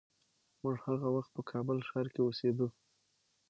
موږ هغه وخت په کابل ښار کې اوسېدو.